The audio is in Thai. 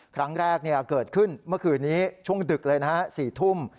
ครั้งแรกเกิดขึ้นเมื่อคืนนี้ช่วงดึกเลยนะฮะ๔ทุ่ม